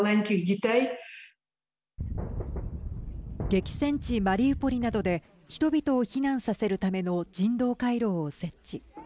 激戦地マリウポリなどで人々を避難させるための人道回廊を設置。